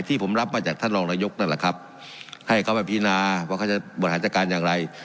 ที่ผมรับมาจากท่านรองนายกนั่นแหละครับให้เขาไปพินาว่าเขาจะบริหารจัดการอย่างไร